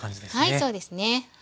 はいそうですね。